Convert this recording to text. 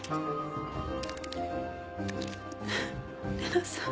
玲奈さん。